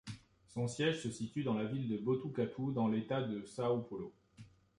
Son siège se situe dans la ville de Botucatu, dans l'État de São Paulo.